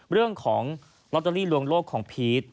เรื่องของลอตเตอรี่ลวงโลกของพีช